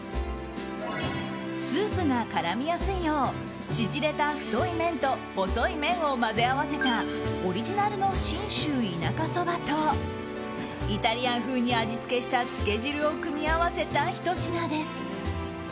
スープが絡みやすいよう縮れた太い麺と細い麺を混ぜ合わせたオリジナルの信州田舎そばとイタリアン風に味付けしたつけ汁を組み合わせたひと品です。